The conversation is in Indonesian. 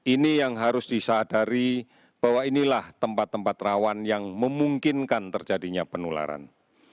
ini yang harus disadari bahwa inilah tempat tempat rawan yang memungkinkan terjadinya penularan